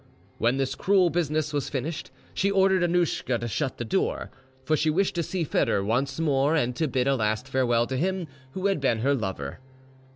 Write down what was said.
When this cruel business was finished, she ordered Annouschka to shut the door; for she wished to see Foedor once more, and to bid a last farewell to him who had been her lover.